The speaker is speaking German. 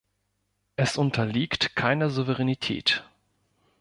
Es unterliegt keiner Souveränität.